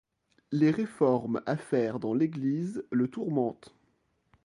Les réformes à faire dans l'Église le tourmentent.